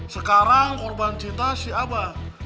sekarang korban cinta si aba